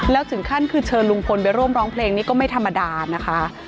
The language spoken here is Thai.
แล้วถึงขั้นคือเชิญลุงพลไปร่วมร้องเพลงนี้ก็ไม่ธรรมดานะคะ